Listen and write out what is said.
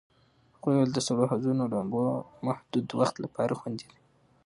هغې وویل د سړو حوضونو لامبو محدود وخت لپاره خوندي دی.